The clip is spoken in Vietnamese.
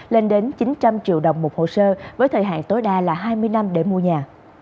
lên đến chín trăm linh triệu đồng một hồ sơ với thời hạn tối đa là hai mươi năm để mua nhà